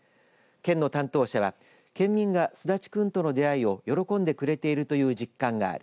県の担当者は県民がすだちくんとの出会いを喜んでくれているという実感がある。